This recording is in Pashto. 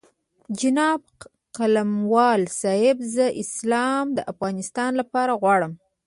جناب قلموال صاحب زه اسلام د افغانستان لپاره غواړم.